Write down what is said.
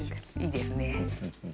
いいですね。